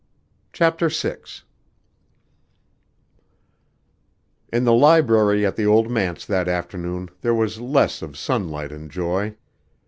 CHAPTER VI In the library at the old manse that afternoon there was less of sunlight and joy.